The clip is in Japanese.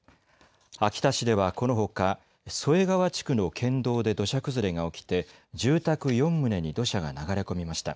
秋田市ではこのほか添川地区の県道で土砂崩れが起きて住宅４棟に土砂が流れ込みました。